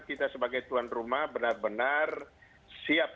kita sebagai tuan rumah benar benar siap